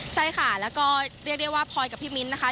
ใช่ค่ะแล้วก็เรียกได้ว่าพลอยกับพี่มิ้นนะคะ